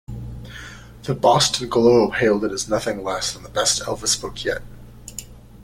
The "Boston Globe" hailed it as "nothing less than the best Elvis book yet.